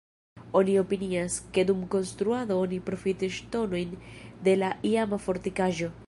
Oni opinias, ke dum konstruado oni profitis ŝtonojn de la iama fortikaĵo.